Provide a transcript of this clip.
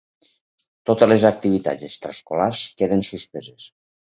Totes les activitats extraescolars queden suspeses.